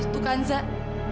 tuh kan zak